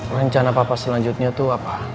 rencana papa selanjutnya itu apa